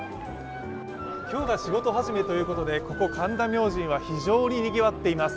今日が仕事始めということでここ神田明神は非常ににぎわっています。